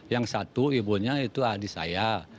yang satu ibunya itu adik saya